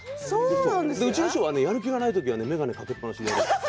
うちの師匠はやる気がない時は眼鏡を掛けっぱなし。